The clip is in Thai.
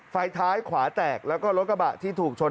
ไฟท้ายขวาแตกแล้วก็รถกระบะที่ถูกชน